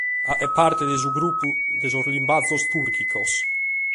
Faghet parte de su grupu de limbàgios tùrchicos.